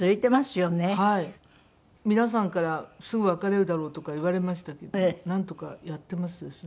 皆さんからすぐ別れるだろうとか言われましたけどなんとかやってますですね。